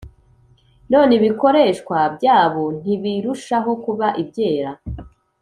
None ibikoreshwa byabo ntibirushaho kuba ibyera?